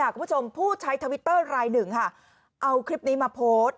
คุณผู้ชมผู้ใช้ทวิตเตอร์รายหนึ่งค่ะเอาคลิปนี้มาโพสต์